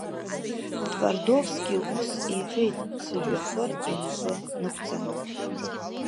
Твардовски ус иҳәеит, сыжәҩахыр инапы нықәҵаны.